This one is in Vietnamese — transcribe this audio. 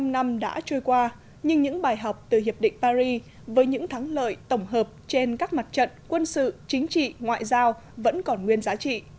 bảy mươi năm năm đã trôi qua nhưng những bài học từ hiệp định paris với những thắng lợi tổng hợp trên các mặt trận quân sự chính trị ngoại giao vẫn còn nguyên giá trị